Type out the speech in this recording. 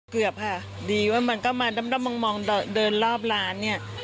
เกือบค่ะดีว่ามันก็มาด้อมมองเดินรอบร้านเนี่ย